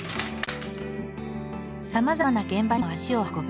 さまざまな現場にも足を運ぶ。